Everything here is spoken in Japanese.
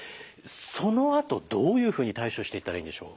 そのあとどういうふうに対処していったらいいんでしょう？